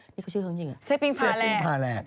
นี่เขาชื่อของจริงเหรอเซปปิงพาแหลก